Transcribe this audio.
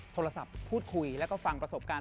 โทรศัพท์พูดคุยแล้วก็ฟังประสบการณ์